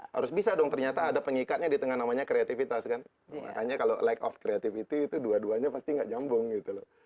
harus bisa dong ternyata ada pengikatnya di tengah namanya kreativitas kan makanya kalau lake of creativity itu dua duanya pasti nggak nyambung gitu loh